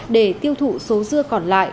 để tiêu thụ số dưa còn lại